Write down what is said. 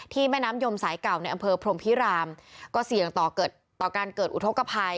แม่น้ำยมสายเก่าในอำเภอพรมพิรามก็เสี่ยงต่อเกิดต่อการเกิดอุทธกภัย